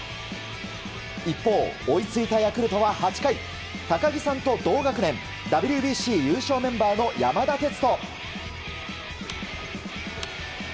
一方、追いついたヤクルトは８回高木さんと同学年ＷＢＣ優勝メンバーの山田哲人。